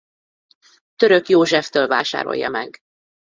Török Józseftől vásárolja meg.